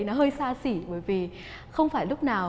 nó hơi xa xỉ bởi vì không phải lúc nào